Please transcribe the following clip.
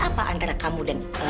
ini untuk si tanteau